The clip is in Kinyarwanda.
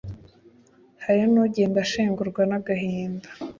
Hari n’ugenda ashengurwa n’agahinda,